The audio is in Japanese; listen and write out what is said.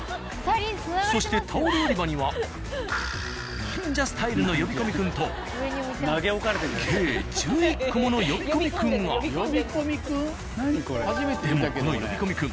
そしてタオル売り場には忍者スタイルの呼び込み君と計でもこの呼び込み君